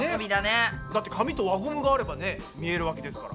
だって紙と輪ゴムがあればね見えるわけですから。